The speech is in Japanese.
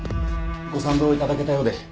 ご賛同いただけたようで。